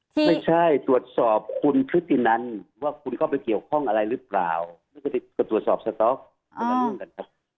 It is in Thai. ไม่ใช่ตรวจสอบคุณพฤตินันว่าคุณเข้าไปเกี่ยวข้องอะไรหรือเปล่าไม่ได้ก็ตรวจสอบสต๊อกคนละเรื่องกันครับ